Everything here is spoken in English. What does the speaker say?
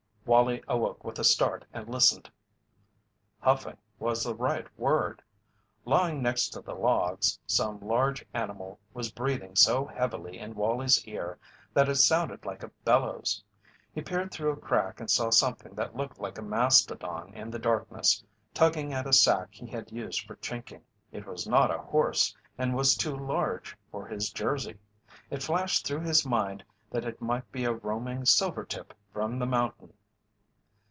Wallie awoke with a start and listened. "Huffing" was the right word. Lying next to the logs, some large animal was breathing so heavily in Wallie's ear that it sounded like a bellows. He peered through a crack and saw something that looked like a mastodon in the darkness tugging at a sack he had used for chinking. It was not a horse and was too large for his Jersey. It flashed through his mind that it might be a roaming silvertip from the mountain.